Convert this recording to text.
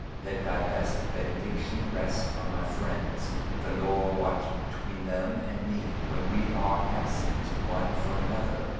Let Thy best benediction rest on my friends. The Lord watch between them and me when we are absent one from another.